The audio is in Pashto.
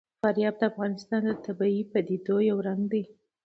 فاریاب د افغانستان د طبیعي پدیدو یو رنګ دی.